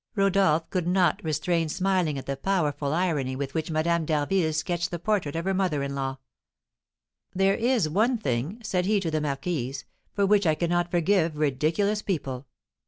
Rodolph could not restrain smiling at the powerful irony with which Madame d'Harville sketched the portrait of her mother in law. "There is one thing," said he to the marquise, "for which I cannot forgive ridiculous people."